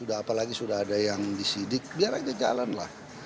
apalagi sudah ada yang disidik biar aja jalan lah